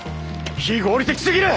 非合理的すぎる！